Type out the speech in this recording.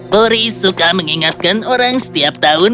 polri suka mengingatkan orang setiap tahun